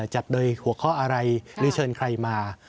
จัดโดยหัวข้ออะไรหรือเชิญใครมา